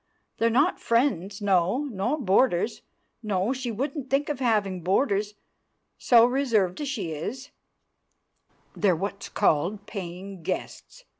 They're not friends, no, nor boarders, no, she wouldn't think of having boarders, so reserved as she is; they're what's called paying guests.